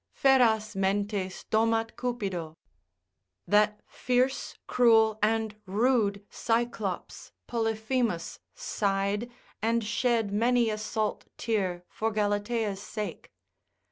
Feras mentes domat cupido, that fierce, cruel and rude Cyclops Polyphemus sighed, and shed many a salt tear for Galatea's sake.